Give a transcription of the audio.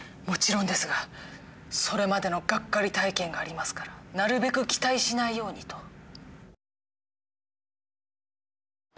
もちろんですがそれまでのガッカリ体験がありますからなるべく期待しないようにと。